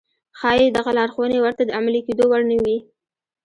ښايي دغه لارښوونې ورته د عملي کېدو وړ نه وي.